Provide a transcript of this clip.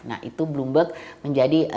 nah itu bloomberg menjadi